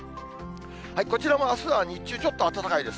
こちらもあすは日中、ちょっと暖かいです。